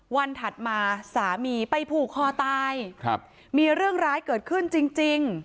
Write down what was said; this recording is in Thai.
ถัดมาสามีไปผูกคอตายมีเรื่องร้ายเกิดขึ้นจริง